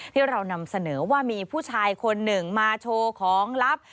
ที่เรานำเสนอว่ามีผู้ชายคนหนึ่งมาโชว์ของลับ